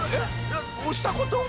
お押したこと？